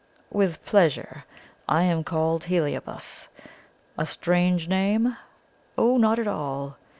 "'With pleasure. I am called Heliobas. A strange name? Oh, not at all!